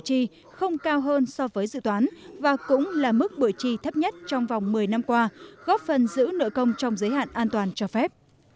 mức bội trì không cao hơn so với dự toán và cũng là mức bội trì thấp nhất trong vòng một mươi năm qua góp phần giữ nội công trong giới hạn an toàn cho phép